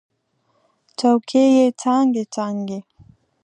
څوکې یې څانګې، څانګې